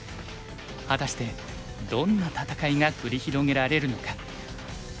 果たしてどんな戦いが繰り広げられるのか。